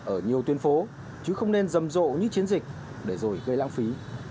ở nhiều tuyến phố chứ không nên rầm rộ như chiến dịch để rồi gây lãng phí